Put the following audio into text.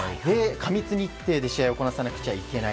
過密日程で試合をこなさないといけない。